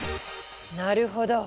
なるほど！